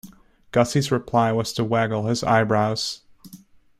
Gussie's reply was to waggle his eyebrows.